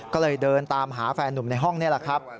ก็เลยเดินตามหาแฟนนุ่มในห้องนี่แหละครับ